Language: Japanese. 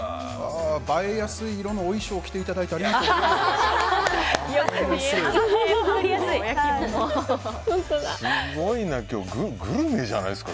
映えやすい色のお衣装を着ていただいてありがとうございます。